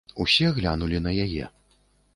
Усе глянулі на яе.